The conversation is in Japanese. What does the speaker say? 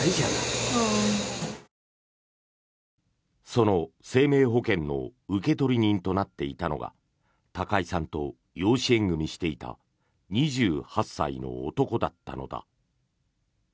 その生命保険の受取人となっていたのが高井さんと養子縁組していた２８歳の男だったのだ。